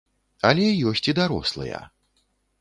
Але ёсць і дарослыя.